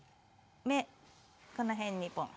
目この辺にポンッ。